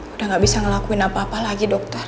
udah gak bisa ngelakuin apa apa lagi dokter